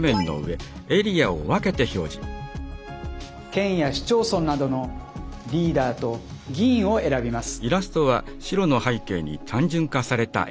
県や市町村などのリーダーと議員を選びます。